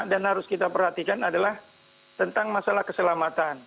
dan harus kita perhatikan adalah tentang masalah keselamatan